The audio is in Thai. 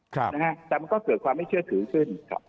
แต่มันก็เกิดความไม่เชื่อถือขึ้นครับ